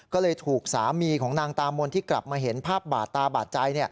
ก็เลยถูกสามีของนางตามนที่กลับมาเห็นภาพบาดตาบาดใจ